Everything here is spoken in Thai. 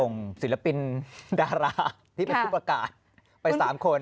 ศิลปินดาราที่เป็นผู้ประกาศไป๓คน